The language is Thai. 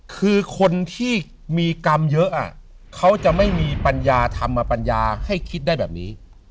คือคนที่มีกรรมเยอะเขาจะไม่มีปัญญาธรรมปัญญาให้คิดได้แบบนี้